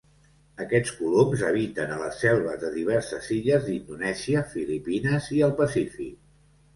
Aquests coloms habiten a les selves de diverses illes d'Indonèsia, Filipines i el Pacífic.